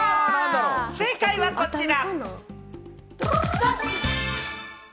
正解はこちら！